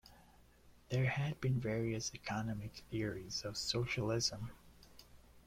There had been various economic theories of socialism.